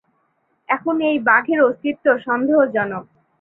এখন এই বাঘের অস্তিত্ব সন্দেহজনক।